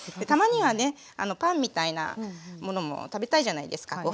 たまにはねパンみたいなものも食べたいじゃないですか。